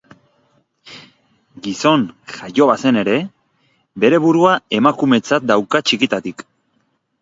Gizon jaio bazen ere, bere burua emakumetzat dauka txikitatik.